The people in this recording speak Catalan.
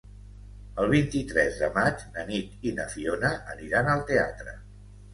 El vint-i-tres de maig na Nit i na Fiona aniran al teatre.